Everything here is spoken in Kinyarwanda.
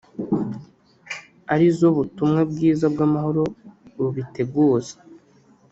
ari zo butumwa bwiza bw’amahoro bubiteguza